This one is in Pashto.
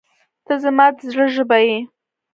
• ته زما د زړه ژبه یې.